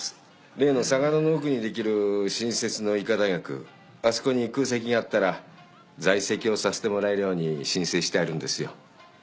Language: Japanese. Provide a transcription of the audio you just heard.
例の嵯峨野の奥にできる新設の医科大学あそこに空席があったら在籍をさせてもらえるように申請してあるんですよ。